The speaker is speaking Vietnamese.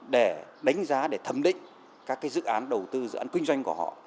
để đánh giá để thẩm định các dự án đầu tư dự án kinh doanh của họ